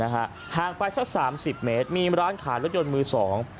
ห่างไปสักสามสิบเมตรมีร้านขายรถยนต์มือสอง